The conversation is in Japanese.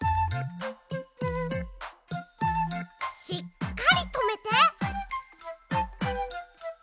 しっかりとめて！